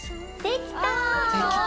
できた！